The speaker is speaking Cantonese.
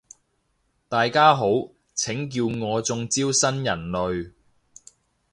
大家好，請叫我中招新人類